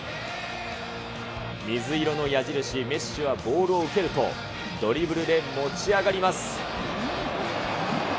水色の矢印、メッシはボールを受けると、ドリブルで持ち上がります。